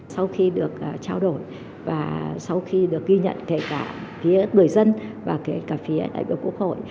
sau khi được trao đổi và sau khi được ghi nhận kể cả phía người dân và cả phía đại biểu quốc hội